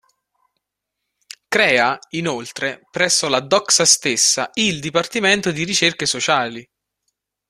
Crea, inoltre, presso la Doxa stessa, il dipartimento di ricerche sociali.